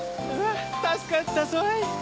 たすかったぞい。